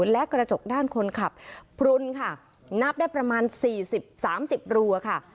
และกระจกด้านคนขับพรุนค่ะนับได้ประมาณสี่สิบสามสิบรูอ่ะค่ะ